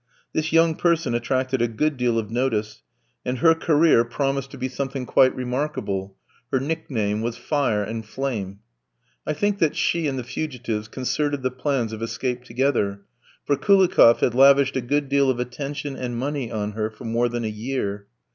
This young person attracted a good deal of notice, and her career promised to be something quite remarkable; her nickname was "Fire and Flame." I think that she and the fugitives concerted the plans of escape together, for Koulikoff had lavished a good deal of attention and money on her for more than a year.